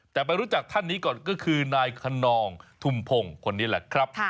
แต่ไปรู้จักท่านนี้ก่อนก็คือนายคนนองทุมพงศ์คนนี้แหละครับ